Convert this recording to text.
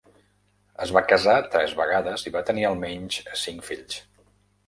Es va casar tres vegades i va tenir almenys cinc fills.